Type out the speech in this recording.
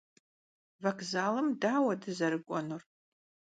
Bokzalım daure dızerık'uenur?